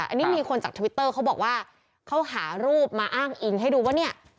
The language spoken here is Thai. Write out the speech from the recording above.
อันนี้มีคนจากทวิตเตอร์เขาบอกว่าเขาหารูปมาอ้างอิงให้ดูว่าเนี่ย